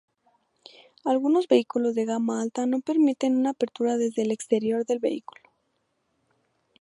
Algunos vehículos de gama alta no permiten una apertura desde el exterior del vehículo.